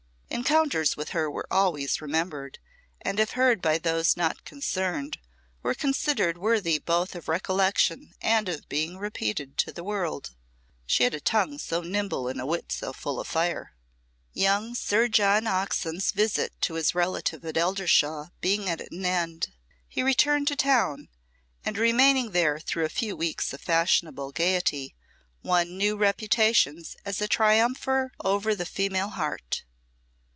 Encounters with her were always remembered, and if heard by those not concerned, were considered worthy both of recollection and of being repeated to the world; she had a tongue so nimble and a wit so full of fire. Young Sir John Oxon's visit to his relative at Eldershawe being at an end, he returned to town, and remaining there through a few weeks of fashionable gaiety, won new reputations as a triumpher over the female heart.